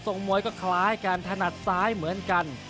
มวยก็คล้ายกันถนัดซ้ายเหมือนกัน